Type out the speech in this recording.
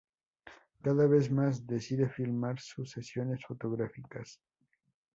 Cada vez más, decide filmar sus sesiones fotográficas.